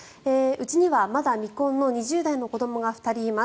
うちにはまだ未婚の２０代の子どもが２人います。